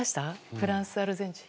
フランスとアルゼンチン。